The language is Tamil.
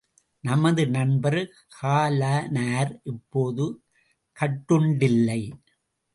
நமது நண்பர் காலனார் இப்போது கட்டுண்டில்லை.